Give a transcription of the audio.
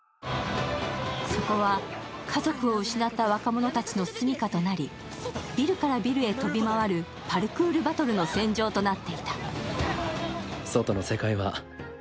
そこは家族を失った若者たちの住みかとなりビルからビルへ跳び回るパルクールバトルの戦場となっていた。